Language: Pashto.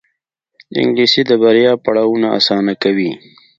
انګلیسي د بریا پړاوونه اسانه کوي